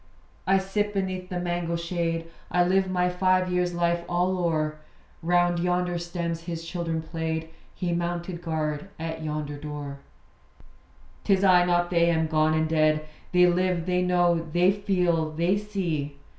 I sit beneath the mango shade; I live my five years' life all o'er Round yonder stems his children played; He mounted guard at yonder door. 'Tis I, not they, am gone and dead. They live; they know; they feel; they see.